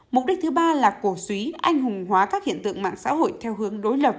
mục đích thứ ba là cổ suý anh hùng hóa các hiện tượng mạng xã hội theo hướng đối lập